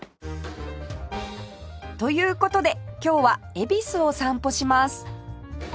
という事で今日は恵比寿を散歩します